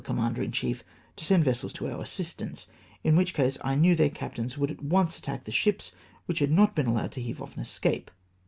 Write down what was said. ommander in chief to send vessels to our assistance, in which case I knew their captains would at once at tack the ships which had not been allowed to heave off and escape.